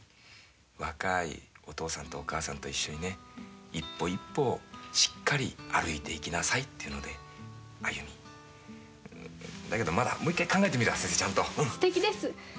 若いお父さんとお母さんと一緒にね一歩一歩しっかり歩いていきなさいっていうので歩だけどまだもう一回考えてみるわ先生ちゃんと素敵です